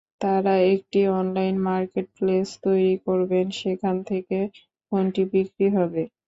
তাঁরা একটি online marketplace তৈরি করবেন, যেখান থেকে ফোনটি বিক্রি হবে।